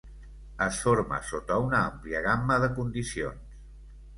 Es forma sota una àmplia gamma de condicions.